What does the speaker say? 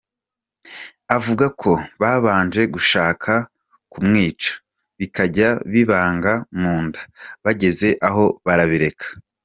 Avuga ko babanje gushaka kumwica, bikajya bibanga mu nda bageze aho barabireka.